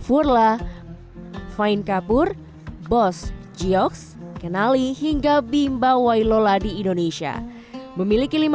furla fine kapur boss geox kenali hingga bimba wailola di indonesia memiliki lima puluh